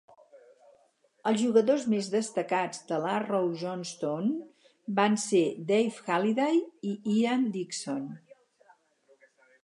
Els jugadors més destacats de l'Arrol-Johnston van ser Dave Halliday i Ian Dickson.